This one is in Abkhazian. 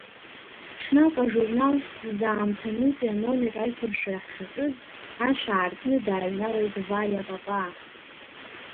Ҽнак, ажурнал изаамҭанутәи аномер аиқәыршәара ҳшаҿыз, ашә аартны дааҩналеит Валиа Папаа.